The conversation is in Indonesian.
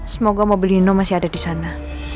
semoga mobil nino masih ada di sana